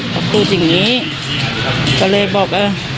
เขาพูดอย่างนี้ก็เลยบอกเออ